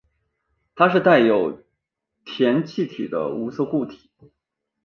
它是带有甜气味的无色固体。